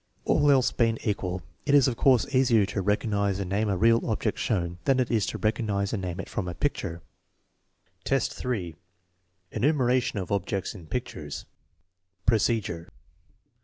All else being equal, it is of course easier to recognize and name a real object shown than it is to recognize and name it from a picture. HI, 3. Enumeration of objects in pictures Procedure.